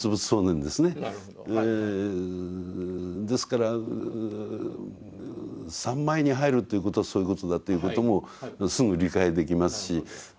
ですから三昧に入るということはそういうことだということもすぐ理解できますし。